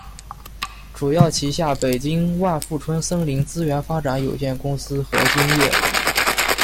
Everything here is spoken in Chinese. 主要旗下北京万富春森林资源发展有限公司核心业务。